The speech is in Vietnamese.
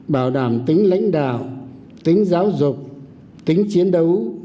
bảo đảm tính lãnh đạo tính giáo dục tính chiến đấu